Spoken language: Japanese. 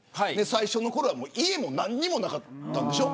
最初のころは家も何もなかったんでしょ。